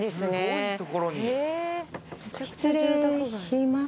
失礼しま。